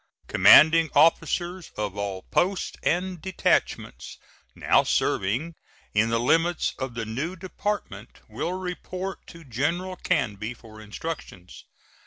Commanding officers of all posts and detachments now serving in the limits of the new department will report to General Canby for instructions.